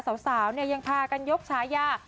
สาวเนี่ยยังพากันยกชายา